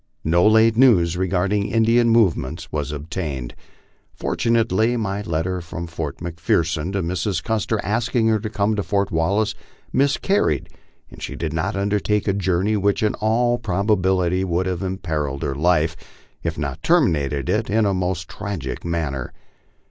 No late news regarding Indian movements was obtained. Fortunately, my letter from Fort McPhcrson to Mrs. Guster, asking her to come to Fort Wallace, miscarried, and she did not undertake a journey which in all probability would have imperilled her life, if not terminated it in a most tragic manner.